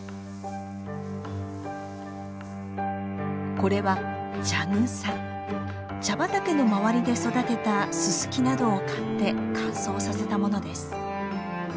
これは茶畑の周りで育てたススキなどを刈って乾燥させたものです。